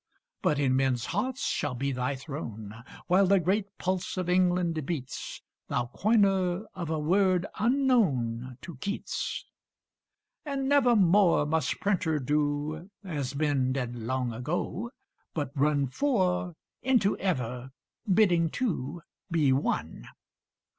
But in men's hearts shall be thy throne, While the great pulse of England beats: Thou coiner of a word unknown To Keats! And nevermore must printer do As men did long ago; but run "For" into "ever," bidding two Be one.